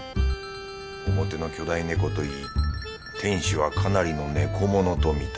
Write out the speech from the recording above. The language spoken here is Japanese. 表の巨大猫といい店主はかなりの猫モノと見た